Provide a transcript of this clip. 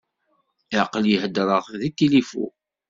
Aql-i heddreɣ deg tilifu.